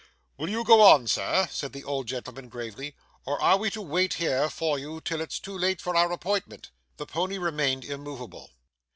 'Will you go on, sir,' said the old gentleman, gravely, 'or are we to wait here for you till it's too late for our appointment?' The pony remained immoveable.